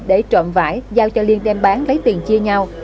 để trộm vải giao cho liên đem bán lấy tiền chia nhau